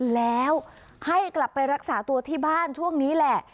แล้วให้กลับไปรักษาตัวที่บ้านช่วงนี้แหละ